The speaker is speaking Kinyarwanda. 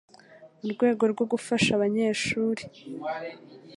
mu rwego rwo gufasha abanyeshuri